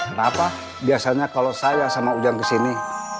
kenapa biasanya kalau saya sama ujang kesini